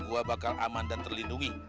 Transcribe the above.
gua bakal aman dan terlindungi